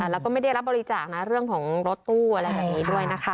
แล้วก็ไม่ได้รับบริจาคนะเรื่องของรถตู้อะไรแบบนี้ด้วยนะคะ